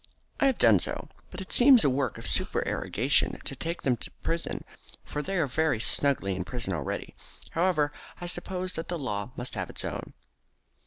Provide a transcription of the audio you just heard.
"I have done so. But it seems a work of supererogation to take them to prison, for they are very snugly in prison already. However, I suppose that the law must have its own."